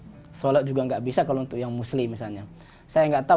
nggak pernah ngaji misalnya sholat juga nggak bisa kalau untuk yang muslim misalnya saya nggak tahu